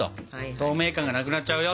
透明感がなくなっちゃうよ。